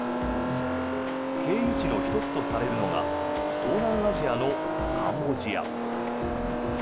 経由地の１つとされるのが東南アジアのカンボジア。